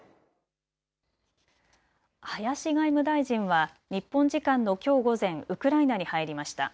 林外務大臣は日本時間のきょう午前、ウクライナに入りました。